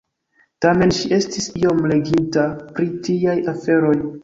Tamen ŝi estis iom leginta pri tiaj aferoj.